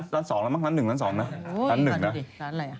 ตอนนี้ล้าน๑ล้าน๒แล้วนะล้าน๑นะ